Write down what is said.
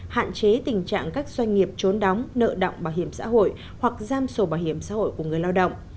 hạn chế tình trạng các doanh nghiệp trốn đóng nợ động bảo hiểm xã hội hoặc giam sổ bảo hiểm xã hội của người lao động